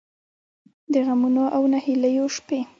د غمـونـو او نهـيليو شـپې